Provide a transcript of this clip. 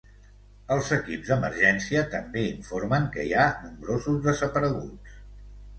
Els equips d’emergència també informen que hi ha nombrosos desapareguts.